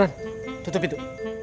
satu komandan tutup pintu